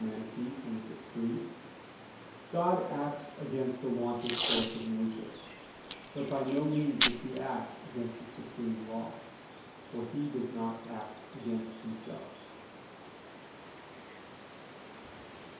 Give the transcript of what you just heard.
xxvi, 3): "God acts against the wonted course of nature, but by no means does He act against the supreme law; because He does not act against Himself."